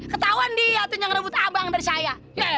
ketauan dia yang rebut abang dari saya